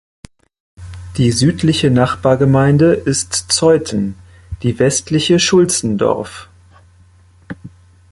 Die südliche Nachbargemeinde ist Zeuthen, die westliche Schulzendorf.